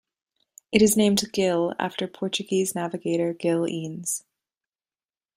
It is named Gil, after Portuguese navigator Gil Eanes.